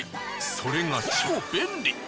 それが超便利。